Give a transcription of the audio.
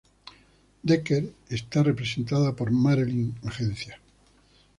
Decker está representada por Marilyn Agencia.